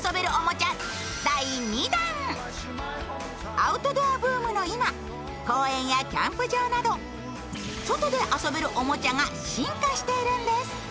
アトウドアブームの今、公園やキャンプ場など、外で遊べるおもちゃが進化しているんです。